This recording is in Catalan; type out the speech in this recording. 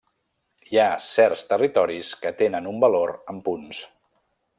Hi ha certs territoris que tenen un valor en punts.